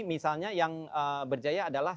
misalnya yang berjaya adalah